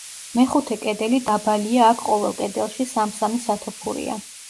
მეხუთე კედელი დაბალია აქ ყოველ კედელში სამ-სამი სათოფურია.